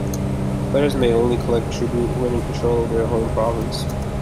Players may only collect tribute when in control of their home province.